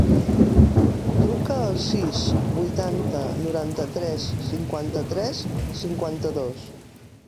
Truca al sis, vuitanta, noranta-tres, cinquanta-tres, cinquanta-dos.